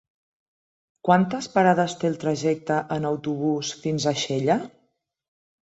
Quantes parades té el trajecte en autobús fins a Xella?